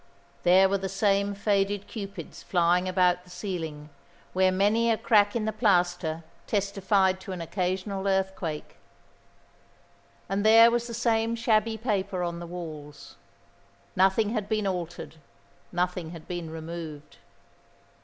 There were the same faded cupids flying about the ceiling, where many a crack in the plaster testified to an occasional earthquake; and there was the same shabby paper on the walls. Nothing had been altered, nothing had been removed.